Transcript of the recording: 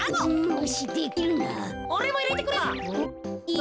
おれもいれてくれよ。